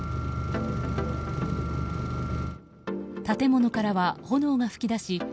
建物からは炎が噴き出し